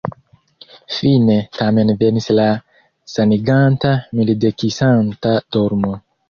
Fine tamen venis la saniganta, mildekisanta dormo.